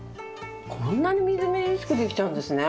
こんなにみずみずしくできちゃうんですね。